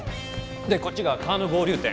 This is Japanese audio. でこっちが川の合流点。